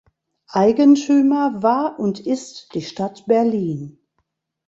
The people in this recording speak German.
Eigentümer war und ist die Stadt Berlin.